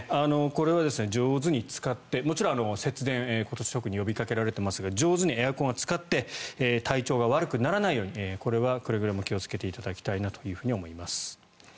これは上手に使ってもちろん節電今年は特に呼びかけられていますが上手にエアコンは使って体調が悪くならないようにこれはくれぐれも気をつけていただきたいと思います。